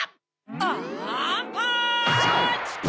アンパンチ！